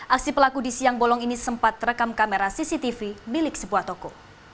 aksi pelaku di siang bolong ini sempat terekam kamera cctv milik sebuah toko